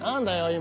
今。